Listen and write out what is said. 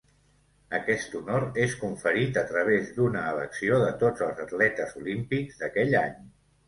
Aquest honor és conferit a través d'una elecció de tots els atletes olímpics d'aquell any.